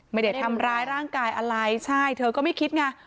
ไม่ได้ทำร้ายร่างกายอะไรใช่เธอก็ไม่คิดไง